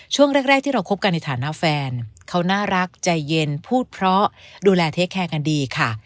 ช่วงแรกที่เราคบกันในฐานะแฟนเขาน่ารักใจเย็นพูดเพราะดูแลเทคแคร์กันดีค่ะ